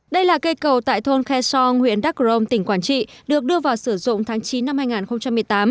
đây là cây cầu tại thôn khe song huyện đắc rôm tỉnh quảng trị được đưa vào sử dụng tháng chín năm hai nghìn một mươi tám